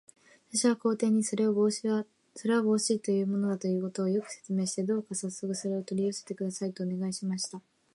私は皇帝に、それは帽子というものだということを、よく説明して、どうかさっそくそれを取り寄せてください、とお願いしました。